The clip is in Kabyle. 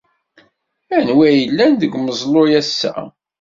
Anwi ay yellan deg umeẓlu ass-a?